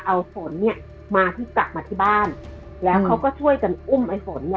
เอาฝนเนี่ยมาที่กลับมาที่บ้านแล้วเขาก็ช่วยกันอุ้มไอ้ฝนเนี่ย